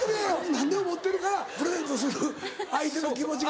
何でも持ってるからプレゼントする相手の気持ちが。